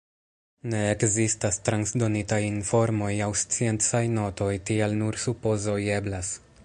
Ne ekzistas transdonitaj informoj aŭ sciencaj notoj, tial nur supozoj eblas.